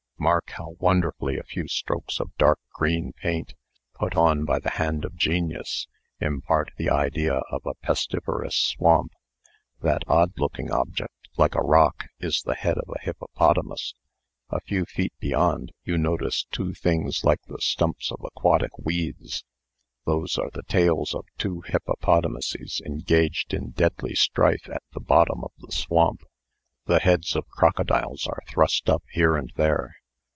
Mark how wonderfully a few strokes of dark green paint, put on by the hand of genius, impart the idea of a pestiferous swamp. That odd looking object, like a rock, is the head of a hippopotamus. A few feet beyond, you notice two things like the stumps of aquatic weeds. Those are the tails of two hippopotamuses engaged in deadly strife at the bottom of the swamp. The heads of crocodiles are thrust up here and there.